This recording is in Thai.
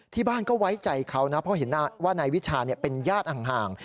ที่บ้านก็ไว้ใจเขานะเพราะเห็นว่านายวิชาเป็นญาติห่าง